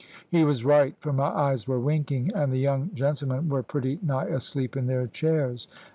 He was right, for my eyes were winking, and the young gentlemen were pretty nigh asleep in their chairs.